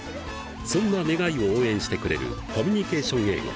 そんな願いを応援してくれる「コミュニケーション英語」。